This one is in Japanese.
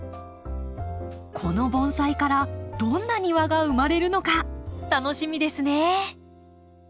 この盆栽からどんな庭が生まれるのか楽しみですね。